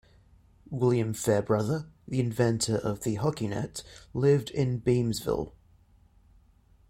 William Fairbrother, the inventor of the hockey net, lived in Beamsville.